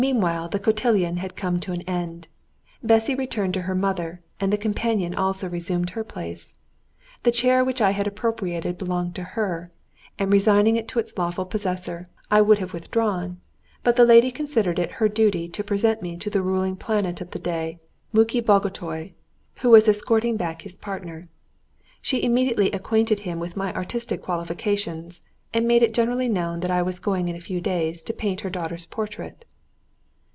Meanwhile the cotillon had come to an end. Bessy returned to her mother, and the companion also resumed her place. The chair which I had appropriated belonged to her, and resigning it to its lawful possessor, I would have withdrawn, but the lady considered it her duty to present me to the ruling planet of the day, Muki Bagotay, who was escorting back his partner. She immediately acquainted him with my artistic qualifications, and made it generally known that I was going in a few days to paint her daughter's portrait.